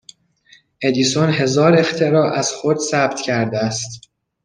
ادیسون هزار اختراع از خود ثبت کرده است